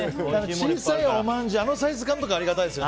小さいおまんじゅうあのサイズ感とかありがたいですよね。